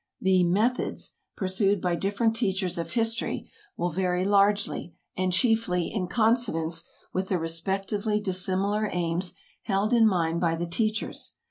The "methods" pursued by different teachers of history will vary largely and chiefly in consonance with the respectively dissimilar aims held in mind by the teachers.